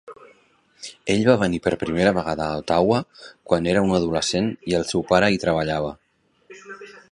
Ell va venir per primera vegada a Ottawa quan era un adolescent i el seu pare hi treballava.